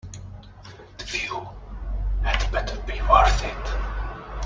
The view had better be worth it.